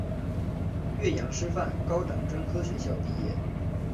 岳阳师范高等专科学校毕业。